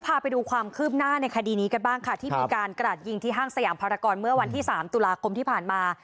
พาไปดูความคืบหน้าในคดีนี้กันบ้างค่ะที่มีการกระดยิงที่ห้างสยามภารกรเมื่อวันที่๓ตุลาคมที่ผ่านมา